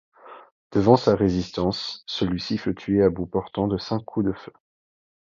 Devant sa résistance, celui-ci fut tué à bout portant de cinq coups de feu.